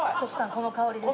この香りです。